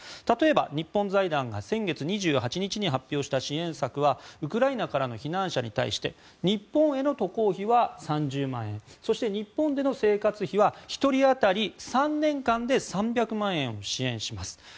例えば、日本財団が先月２８日に発表した支援策はウクライナからの避難者に対して日本への渡航費は３０万円そして、日本での生活費は１人当たり３年間で３００万円を支援します。